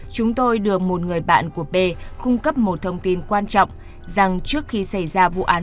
chúng tôi được một người bạn của p cung cấp một thông tin quan trọng rằng trước khi xảy ra vụ án